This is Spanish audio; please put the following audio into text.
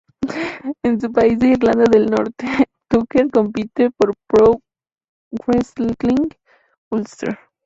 En su país de Irlanda del Norte, Tucker compite por Pro Wrestling Ulster.